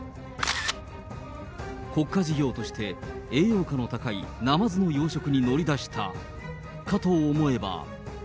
国家事業として栄養価の高いナマズの養殖に乗り出したかと思えば。